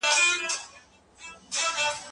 د ژوند يو اړخ غوره ګڼل لويه تېروتنه بلل سوي ده.